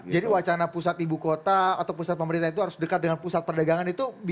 jadi wacana pusat ibu kota atau pusat pemerintah itu harus dekat dengan pusat perdagangan itu